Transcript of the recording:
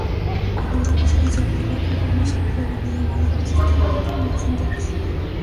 Cuando el grupo se disolvió, Blakey formó su propia banda llamada los "Seventeen Messengers".